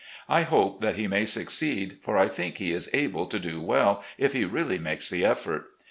I hope that he may succeed, for I think he is able to do well if he really makes the effort.